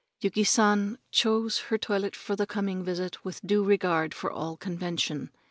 Yuki San chose her toilet for the coming visit with due regard for all convention.